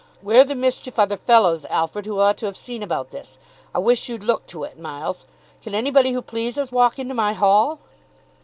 Where the mischief are the fellows, Alfred, who ought to have seen about this? I wish you'd look to it, Miles. Can anybody who pleases walk into my hall?"